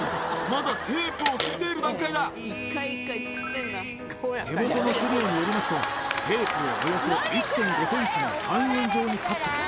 まだテープを切っている段階だ手元の資料によりますとテープをおよそ１．５ｃｍの半円状にカット